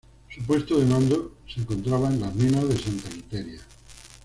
Su puesto de mando se encontraba en las Minas de Santa Quiteria.